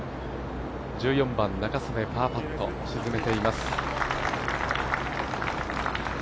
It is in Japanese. １４番、仲宗根パーパット沈めています。